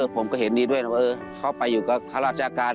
ผมก็เห็นดีด้วยนะว่าเขาไปอยู่กับข้าราชการ